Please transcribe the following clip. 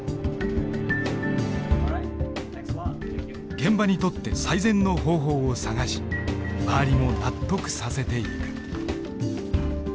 現場にとって最善の方法を探し周りも納得させていく。